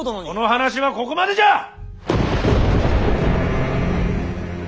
この話はここまでじゃ！